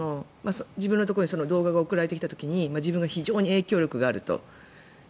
ただ、例えば自分のところに動画が送られてきた時に自分が非常に影響力があると。